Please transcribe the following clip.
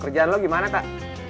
kerjaan lo gimana kak